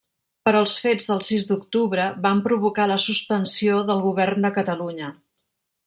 Però els fets del sis d'octubre van provocar la suspensió del govern de Catalunya.